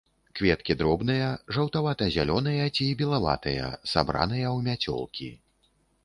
Кветкі дробныя, жаўтавата-зялёныя ці белаватыя, сабраныя ў мяцёлкі.